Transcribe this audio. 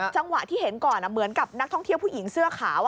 จังหวะที่เห็นก่อนเหมือนกับนักท่องเที่ยวผู้หญิงเสื้อขาว